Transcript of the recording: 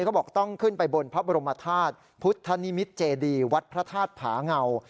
เขาบอกต้องขึ้นไปบนพระบรมธาตุพุทธนิมิตรเจดีวัดพระธาตุผาเงา